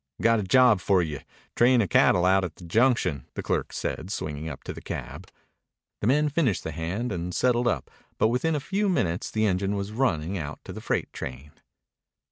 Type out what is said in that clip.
"Got a job for you. Train of cattle out at the junction," the clerk said, swinging up to the cab. The men finished the hand and settled up, but within a few minutes the engine was running out to the freight train.